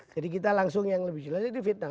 jadi kita langsung yang lebih jelas itu fitnah